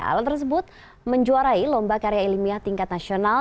alat tersebut menjuarai lomba karya ilmiah tingkat nasional